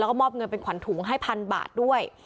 แล้วก็มอบเงินเป็นขวัญถุงให้พันบาทด้วย